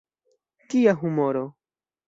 Kia humoro!